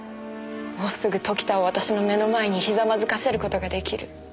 もうすぐ時田を私の目の前にひざまずかせる事が出来る。